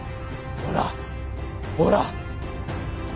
ほらほら！